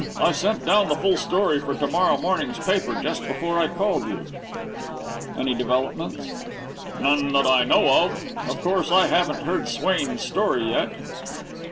I sent down the full story for to morrow morning's paper just before I called you." "Any developments?" "None that I know of. Of course, I haven't heard Swain's story yet."